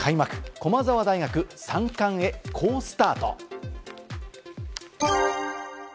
駒澤大学、３冠へ好スタート。